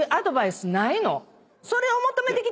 それを求めて来